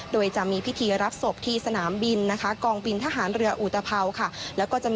โดยจะมีพิธีรับศพที่สนามบินนะคะกองบินทหารเรืออุตภาวค่ะ